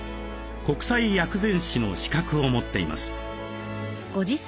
国際薬膳師の資格を持っています。